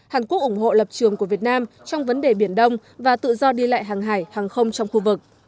hàn quốc ủng hộ lập trường của việt nam trong vấn đề biển đông và tự do đi lại hàng hải hàng không trong khu vực